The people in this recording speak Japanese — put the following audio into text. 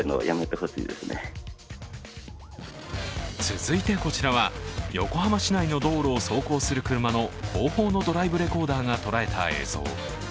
続いて、こちらは横浜市内の道路を走行する車の後方のドライブレコーダーが捉えた映像。